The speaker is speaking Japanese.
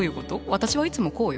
私はいつもこうよ。